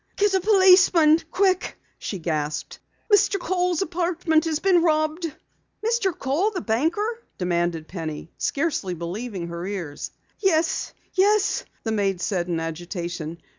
"Get a policeman, quick!" she gasped. "Mr. Kohl's apartment has been robbed!" "Mr. Kohl the banker?" demanded Penny, scarcely believing her ears. "Yes, yes," the maid said in agitation.